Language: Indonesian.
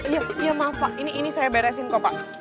iya maaf pak ini saya beresin kok pak